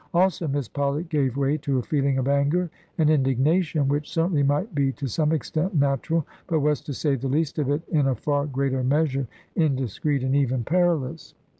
Also Miss Polly gave way to a feeling of anger and indignation, which certainly might be to some extent natural, but was, to say the least of it, in a far greater measure indiscreet, and even perilous.